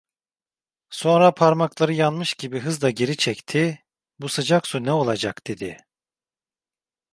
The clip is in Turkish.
Sonra parmakları yanmış gibi hızla geri çekti: "Bu sıcak su ne olacak?" dedi.